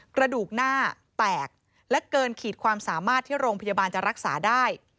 กระดูกหน้าแตกและเกินขีดความสามารถที่โรงพยาบาลจะรักษาได้